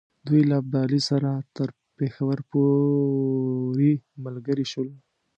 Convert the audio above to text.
دوی له ابدالي سره تر پېښور پوري ملګري شول.